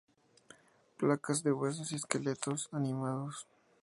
Placas de huesos y esqueletos animados.